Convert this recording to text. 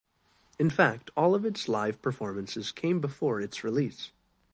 In fact, all of its live performances came before its release.